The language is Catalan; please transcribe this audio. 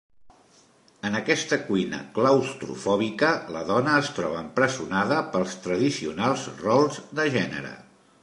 En aquesta cuina claustrofòbica, la dona es troba empresonada pels tradicionals rols de gènere.